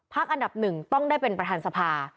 ภาคอันดับ๑ต้องได้เป็นประธานสภา